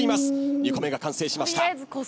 ２個目が完成しました。